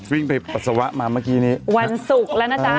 วันสุขแล้วนะจ๊ะ